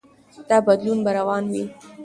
دا بدلون به روان وي.